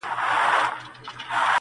ښوونځی اکاډیمی پوهنتونونه!!